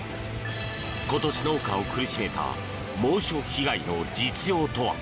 今年、農家を苦しめた猛暑被害の実情とは？